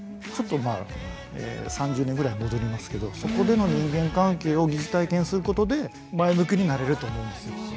ちょっとまあ３０年ぐらい戻りますけどそこでの人間関係を疑似体験することで前向きになれると思うんですよ。